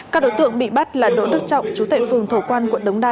các đối tượng bị bắt là đỗ đức trọng chú tệ phường thổ quan quận đống đa